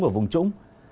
ở vùng trũng